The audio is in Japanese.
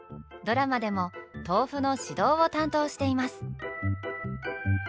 ドラマでも豆腐の指導を担当しています。